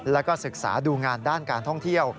แล้วก็ศึกษาดูงานด้านการท่องเที่ยว